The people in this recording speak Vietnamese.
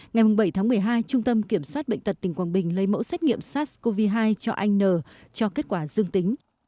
ngày bảy tháng một mươi hai trung tâm kiểm soát bệnh tật tỉnh quảng bình lấy mẫu xét nghiệm sars cov hai cho anh n cho kết quả dương tính